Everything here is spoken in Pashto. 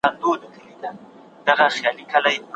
زه په کمپيوټر کي ليکل کوم.